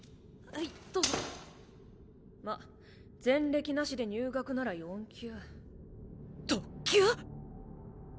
パシッまっ前歴なしで入学なら４級。